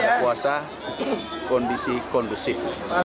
ada puasa kondisi kondusif